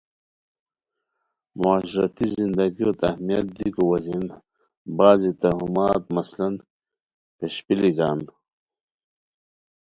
معاشرتی زندگیوت اہمیت دیکو وجہین بعض توہمات مثلاً پھیشپیلی گان